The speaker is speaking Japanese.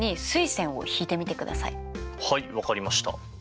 はい分かりました。